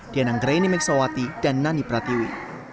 dianang graini meksawati dan nani pratiwi